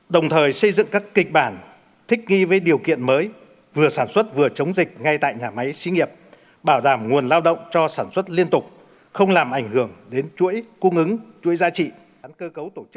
cơ quan thích nghi với điều kiện mới vừa sản xuất vừa chống dịch ngay tại nhà máy sĩ nghiệp bảo đảm nguồn lao động cho sản xuất liên tục không làm ảnh hưởng đến chuỗi cung ứng chuỗi giá trị